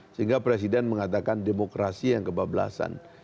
sehingga presiden mengatakan demokrasi yang kebablasan